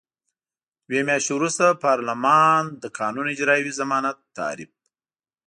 دوه میاشتې وروسته پارلمان د قانون اجرايوي ضمانت تعریف.